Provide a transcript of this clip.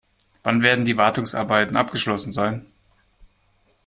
Wann werden die Wartungsarbeiten abgeschlossen sein?